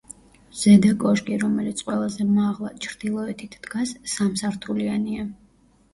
ზედა კოშკი, რომელიც ყველაზე მაღლა, ჩრდილოეთით დგას, სამსართულიანია.